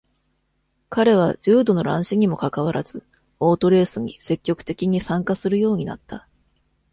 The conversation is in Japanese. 彼は重度の乱視にもかかわらず、オートレースに積極的に参加するようになった。